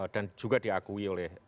dan juga diakui oleh